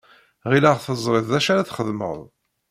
Ɣileɣ teẓriḍ d acu ara txedmeḍ.